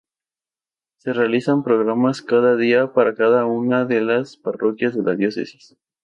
Se realizan programadas cada día para cada una de las parroquias de la diócesis.